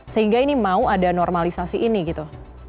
sehingga ini mau ada normalisasi ini gitu